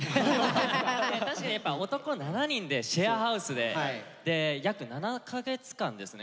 確かにやっぱ男７人でシェアハウスで約７か月間ですね